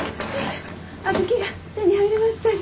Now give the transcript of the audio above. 小豆が手に入りましたよ。